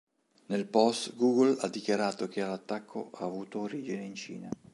Nel post Google ha dichiarato che l'attacco ha avuto origine in Cina.